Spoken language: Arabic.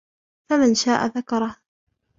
فَمَنْ شَاءَ ذَكَرَهُ